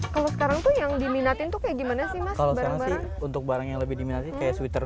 kalau sekarang tuh yang diminati untuknya gimana sih kalau untuk barang yang lebih diminati sweater